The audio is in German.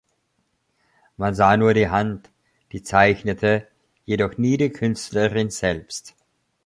Man sah nur die Hand, die zeichnete, jedoch nie die Künstlerin selbst.